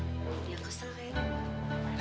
oh dia kesel kayaknya